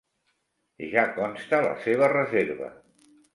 Ja consta la seva reserva.